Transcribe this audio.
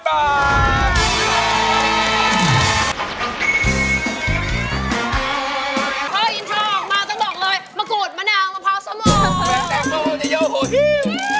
อินโทรออกมาต้องบอกเลยมะกรูดมะนาวมะพร้าวสมุทร